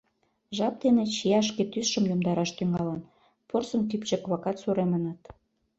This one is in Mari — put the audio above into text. Жап дене чия шке тӱсшым йомдараш тӱҥалын, порсын кӱпчык-влакат суремыныт.